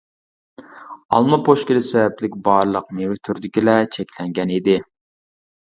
ئالما پوشكىلى سەۋەبلىك بارلىق مېۋە تۈرىدىكىلەر چەكلەنگەن ئىدى.